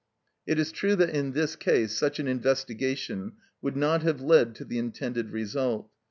It is true that in this case such an investigation would not have led to the intended result.